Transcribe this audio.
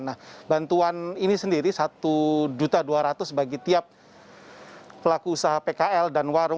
nah bantuan ini sendiri satu dua ratus bagi tiap pelaku usaha pkl dan warung